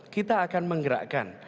kita akan menggerakkan